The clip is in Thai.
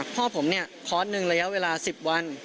พ่อผมเนี่ยคอร์สหนึ่งระยะเวลา๑๐วัน